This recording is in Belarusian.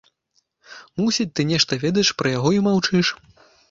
Мусіць, ты нешта ведаеш пра яго і маўчыш?